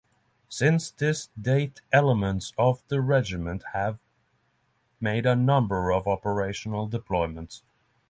Since this date elements of the regiment have made a number of operational deployments.